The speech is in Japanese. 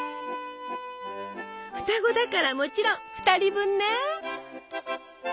双子だからもちろん２人分ね！